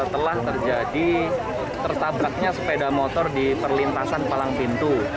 telah terjadi tertabraknya sepeda motor di perlintasan palang pintu